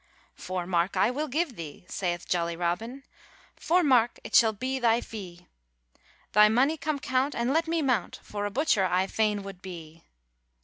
'Four mark I will give thee,' saith jolly Robin, 'Four mark it shall be thy fee; Tby mony come count, and let me mount, For a butcher I fain would be.'